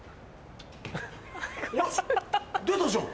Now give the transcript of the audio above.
おっ出たじゃん。